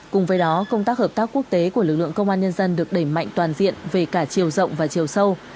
cùng với đó công tác hợp tác quốc tế của lực lượng công an nhân dân được đẩy mạnh toàn diện về cả chiều rộng và chiều sâu